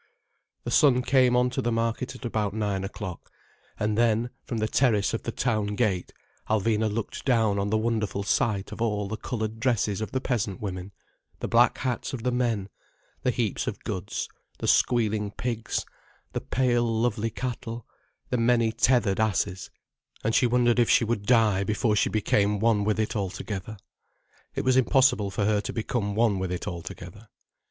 The sun came on to the market at about nine o'clock, and then, from the terrace of the town gate, Alvina looked down on the wonderful sight of all the coloured dresses of the peasant women, the black hats of the men, the heaps of goods, the squealing pigs, the pale lovely cattle, the many tethered asses—and she wondered if she would die before she became one with it altogether. It was impossible for her to become one with it altogether.